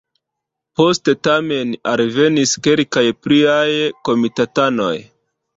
Poste tamen alvenis kelkaj pliaj komitatanoj.